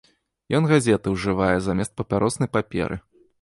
Ён газеты ўжывае замест папяроснай паперы.